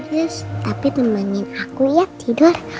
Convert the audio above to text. yes tapi memangin aku ya tidur